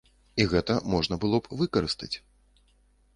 І гэта можна было б выкарыстаць.